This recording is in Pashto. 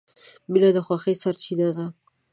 • مینه د خوښۍ سرچینه ده.